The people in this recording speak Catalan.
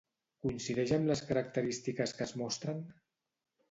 Coincideix amb les característiques que es mostren?